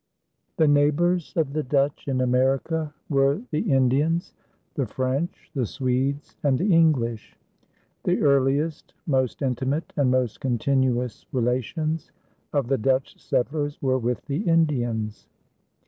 The neighbors of the Dutch in America were the Indians, the French, the Swedes, and the English. The earliest, most intimate, and most continuous relations of the Dutch settlers were with the Indians.